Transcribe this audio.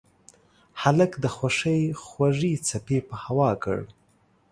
هلک د خوښۍ خوږې څپې په هوا کړ.